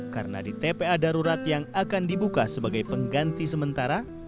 karena di tpa darurat yang akan dibuka sebagai pengganti sementara